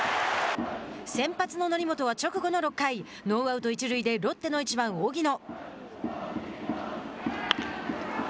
先発の則本は直後の６回ノーアウト、一塁でロッテの１番荻野。